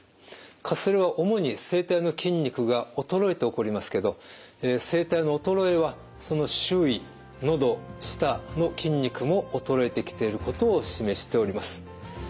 かすれは主に声帯の筋肉が衰えて起こりますけど声帯の衰えはその周囲のど舌の筋肉も衰えてきていることを示しております。